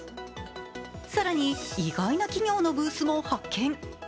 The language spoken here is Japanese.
更に、意外な企業のブースも発見。